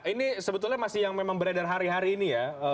ini sebetulnya masih yang memang beredar hari hari ini ya